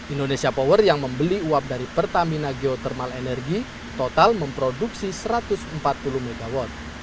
indonesia power yang membeli uap dari pertamina geothermal energy total memproduksi satu ratus empat puluh mw